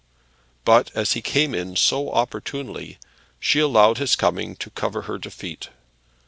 But as he came in so opportunely, she allowed his coming to cover her defeat.